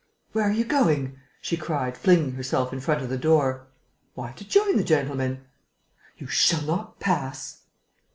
"Where are you going?" she cried, flinging herself in front of the door. "Why, to join the gentlemen." "You shall not pass!"